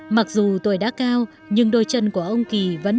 mặc dù tuổi đã cao nhưng đôi chân của ông kỳ vẫn chưa được trở lại